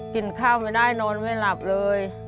กินข้าวไม่ได้นอนไม่หลับเลย